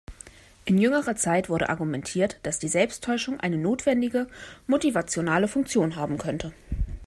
In jüngerer Zeit wurde argumentiert, dass die Selbsttäuschung eine notwendige motivationale Funktion haben könnte.